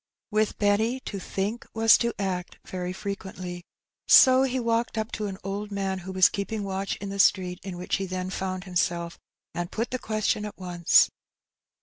With Benny to think was to act very frequently; so he walked up to an old man who was keeping watch in the street in which he then found himself, and put the question at once.